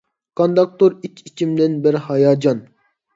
قانداقتۇر ئىچ-ئىچىمدە بىر ھاياجان.